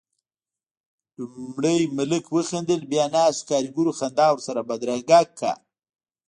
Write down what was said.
لومړی ملک وخندل، بيا ناستو کاريګرو خندا ورسره بدرګه کړه.